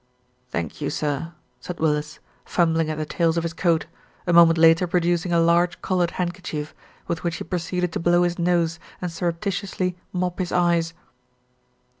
"Thank you, sir," said Willis, fumbling at the rails of his coat, a moment later producing a large coloured handkerchief, with which he proceeded to blow his nose and surreptitiously mop his eyes.